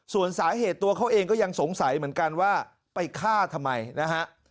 ส่วนสาเหตุตัวเขาเองก็ยังสงสัยเหมือนกันว่าไปฆ่าทำไมนะฮะ